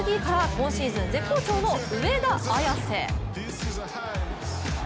今シーズン絶好調の上田綺世。